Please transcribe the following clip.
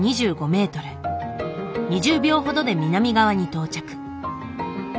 ２０秒ほどで南側に到着。